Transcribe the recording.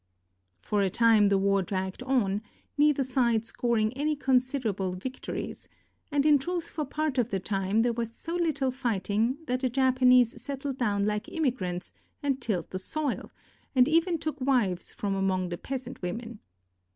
For a time the war dragged on, neither side scoring any considerable victories, and in truth for part of the time there was so little fighting that the Japanese settled down like immigrants and tilled the soil, and even took wives from among the peasant wo men.